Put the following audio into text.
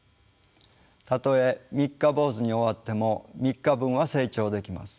たとえ三日坊主に終わっても３日分は成長できます。